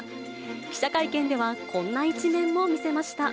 記者会見では、こんな一面も見せました。